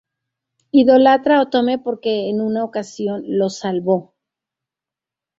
Idolatra a Otome porque en una ocasión lo salvó.